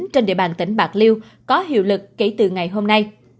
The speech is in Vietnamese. trên địa bàn tỉnh bạc liêu có hiệu lực kể từ ngày hôm nay